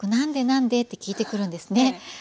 何で？」って聞いてくるんですね。